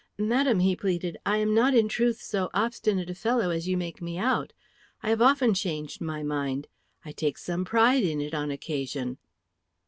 "Madam," he pleaded, "I am not in truth so obstinate a fellow as you make me out. I have often changed my mind. I take some pride in it on occasion."